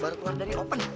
baru keluar dari open